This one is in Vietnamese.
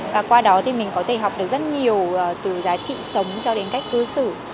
và qua đó thì mình có thể học được rất nhiều từ giá trị sống cho đến cách cư xử